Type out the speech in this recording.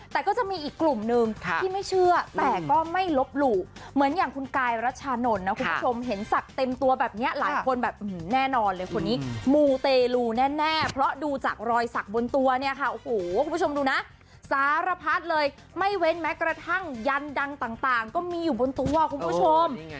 แต่ก็จะมีอีกกลุ่มนึงที่ไม่เชื่อแต่ก็ไม่ลบหลู่เหมือนอย่างคุณกายรัชชานนท์นะคุณผู้ชมเห็นศักดิ์เต็มตัวแบบนี้หลายคนแบบแน่นอนเลยคนนี้มูเตลูแน่เพราะดูจากรอยสักบนตัวเนี่ยค่ะโอ้โหคุณผู้ชมดูนะสารพัดเลยไม่เว้นแม้กระทั่งยันดังต่างก็มีอยู่บนตัวคุณผู้ชม